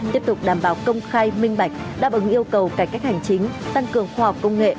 tiếp tục đảm bảo công khai minh bạch đáp ứng yêu cầu cải cách hành chính tăng cường khoa học công nghệ